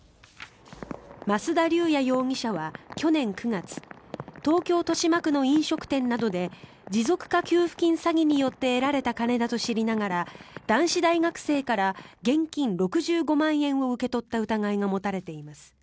増田龍哉容疑者は去年９月東京・豊島区の飲食店などで持続化給付金詐欺によって得られた金だと知りながら男子大学生から現金６５万円を受け取った疑いが持たれています。